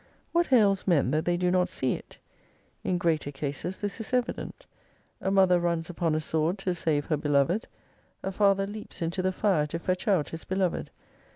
What ails men that they do not see it ? In greater cases this is evident. A mother runs upon a sword to save her beloved. A father leaps into the fire to fetch out his beloved.